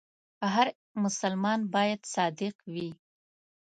هر مسلمان باید صادق وي.